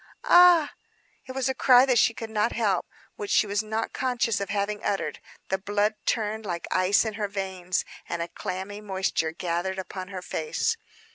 "Ah!" It was a cry that she could not help; which she was not conscious of having uttered. The blood turned like ice in her veins, and a clammy moisture gathered upon her face.